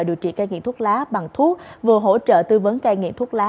điều trị ca nghiện thuốc lá bằng thuốc vừa hỗ trợ tư vấn ca nghiện thuốc lá